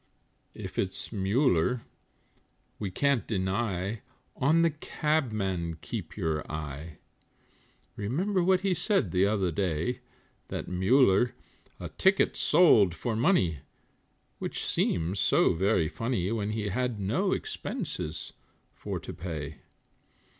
If it's Muller, we can't deny, on the Cabman keep your eye, Remember what he said the other day, That Muller a ticket sold for money, which seems so very funny, When he had no expenses for to pay.